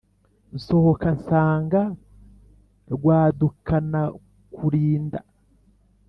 Nsohoka nsanga Rwadukanakurinda